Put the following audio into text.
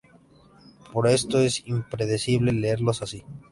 Por eso es imprescindible leerlos así.